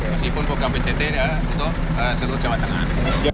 meskipun program pct untuk seluruh jawa tengah